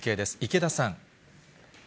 池田さん。